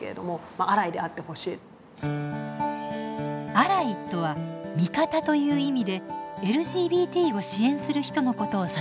「アライ」とは「味方」という意味でＬＧＢＴを支援する人のことを指します。